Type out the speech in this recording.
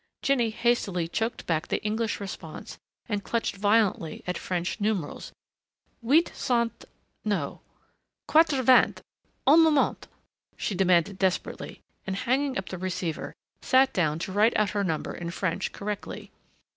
_" Jinny hastily choked back the English response and clutched violently at French numerals. "Huit cent no, quatre vingt un moment!" she demanded desperately and hanging up the receiver, sat down to write out her number in French correctly.